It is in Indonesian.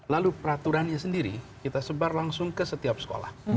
lalu peraturannya sendiri kita sebar langsung ke setiap sekolah